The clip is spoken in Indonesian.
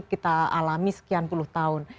kita alami sekian puluh tahun